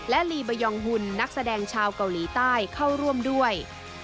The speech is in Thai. และลีบายองหุ่นนักแสดงชาวเกาหลีใต้เข้าร่วมด้วย